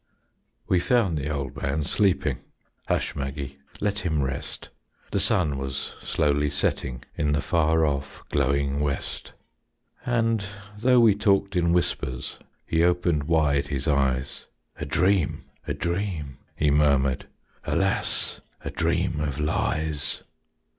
'" We found the old man sleeping. "Hush, Maggie, let him rest." The sun was slowly setting In the far off, glowing West. And though we talked in whispers He opened wide his eyes: "A dream, a dream," he murmured; "Alas, a dream of lies."